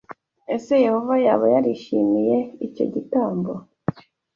Ese Yehova yaba yarishimiye icyo gitambo?